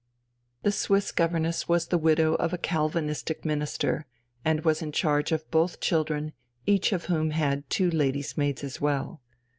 The Swiss governess was the widow of a Calvinistic minister and was in charge of both children, each of whom had two lady's maids as well.